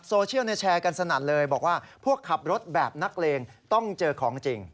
โซเชียลแชร์กันสนั่นเลยบอกว่าพวกขับรถแบบนักเลงต้องเจอของจริง